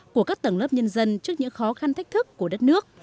của các tầng lớp nhân dân trước những khó khăn thách thức của đất nước